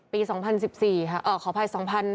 ปี๒๐๑๔ค่ะอ่อขออภัย๒๕๑๔